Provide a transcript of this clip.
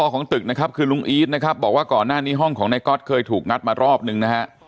ก่อนหน้านี้ห้องของในก็อตเคยถูกงัดมารอบนึงนะฮะ